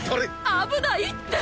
危ないって。